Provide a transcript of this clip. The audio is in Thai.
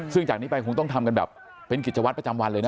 ซึ่งจากนี้ไปคงต้องทำกันแบบเป็นกิจวัตรประจำวันเลยนะ